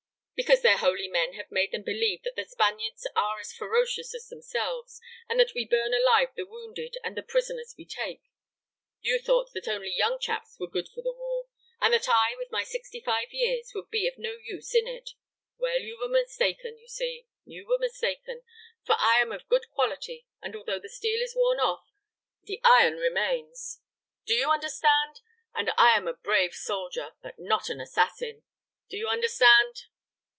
"Because their holy men have made them believe that the Spaniards are as ferocious as themselves, and that we burn alive the wounded and the prisoners we take. You thought that only young chaps were good for the war, and that I, with my sixty five years, would be of no use in it; well, you were mistaken, you see, you were mistaken, for I am of good quality, and although the steel is worn off, the non remains. Do you understand? And I am a brave soldier, but not an assassin, do you understand?"